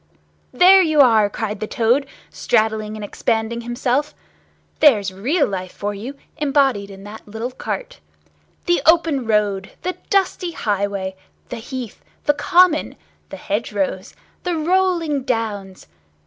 "There you are!" cried the Toad, straddling and expanding himself. "There's real life for you, embodied in that little cart. The open road, the dusty highway, the heath, the common, the hedgerows, the rolling downs!